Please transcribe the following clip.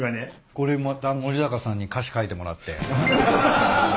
これまた森高さんに歌詞書いてもらって。